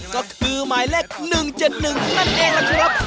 ก็คือ๑๗๑นะนั่นเองแหละ